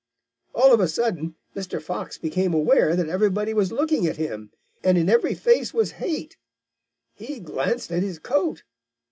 "All of a sudden Mr. Fox became aware that everybody was looking at him, and in every face was hate. He glanced at his coat.